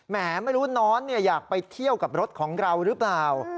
ไม่รู้น้อนอยากไปเที่ยวกับรถของเราหรือเปล่า